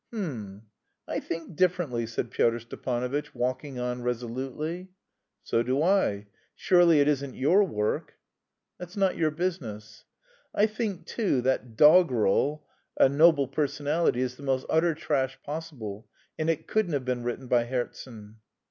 "H'm! I think differently," said Pyotr Stepanovitch, walking on resolutely. "So do I; surely it isn't your work?" "That's not your business." "I think too that doggerel, 'A Noble Personality,' is the most utter trash possible, and it couldn't have been written by Herzen."